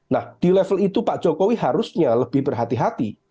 nah di level itu pak jokowi harusnya lebih berhati hati